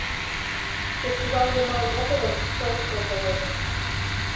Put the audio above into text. Кечывалйымал могырым шокшо толеш.